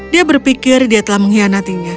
dia berpikir dia telah mengkhianatinya